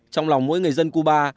trong lòng mỗi người dân cuba